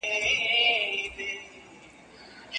تر هیڅ ستوني نه تیریږي پښتانه د زهرو جام دی